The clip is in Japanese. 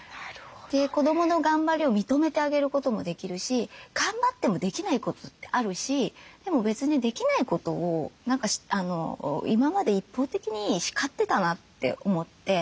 子どもの頑張りを認めてあげることもできるし頑張ってもできないことってあるしでも別にできないことを今まで一方的に叱ってたなって思って。